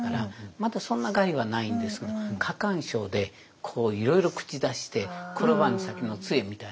まだそんな害はないんですけど過干渉でいろいろ口出して「転ばぬ先の杖」みたいな。